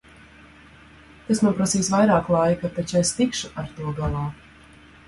Tas man prasīs vairāk laika, taču es tikšu ar to galā.